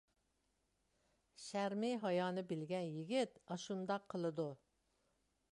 شەرمى ھايانى بىلگەن يىگىت ئاشۇنداق قىلىدۇ.